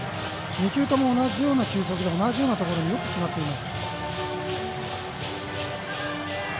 ２球とも同じような球速で同じようなところによく決まっています。